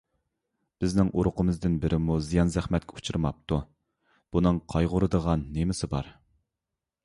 بىزنىڭ ئۇرۇقىمىزدىن بىرىمۇ زىيان - زەخمەتكە ئۇچرىماپتۇ. بۇنىڭ قايغۇرىدىغان نېمىسى بار؟